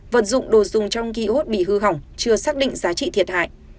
vật dụng đồ dùng trong ký ốt bị hư hỏng chưa xác định giá trị thiệt hại